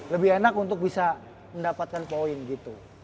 lebih enak untuk bisa mendapatkan poin gitu